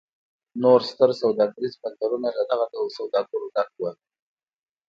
نور ستر سوداګریز بندرونه له دغه ډول سوداګرو ډک و.